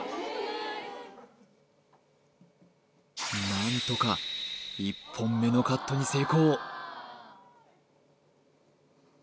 何とか１本目のカットに成功！